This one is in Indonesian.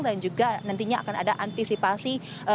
dan juga nantinya akan ada antisipasi